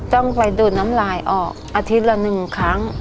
ต้องไปดูดน้ำลายออกอาทิตย์ละ๑ครั้ง